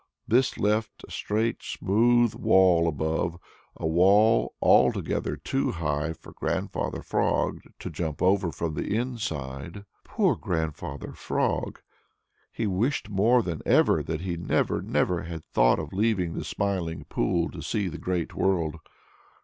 This left a straight, smooth wall up above, a wall altogether too high for Grandfather Frog to jump over from the inside. Poor old Grandfather Frog! He wished more than ever that he never, never had thought of leaving the Smiling Pool to see the Great World.